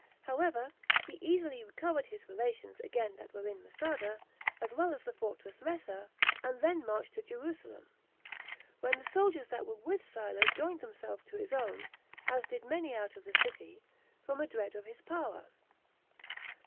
However, he easily recovered his relations again that were in Masada, as well as the fortress Ressa, and then marched to Jerusalem, where the soldiers that were with Silo joined themselves to his own, as did many out of the city, from a dread of his power.